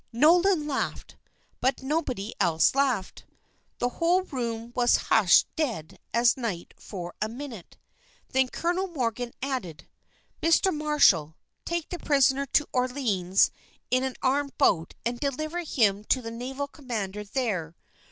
Nolan laughed; but nobody else laughed the whole room was hushed dead as night for a minute. Then Colonel Morgan added, "Mr. Marshall, take the prisoner to Orleans in an armed boat and deliver him to the naval commander there.